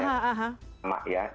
sebenarnya sama ya